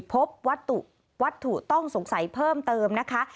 พบวัตถุวัตถุต้องสงสัยเพิ่มเติมนะคะ